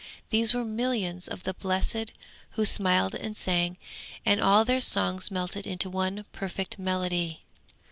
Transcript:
These were millions of the Blessed who smiled and sang, and all their songs melted into one perfect melody.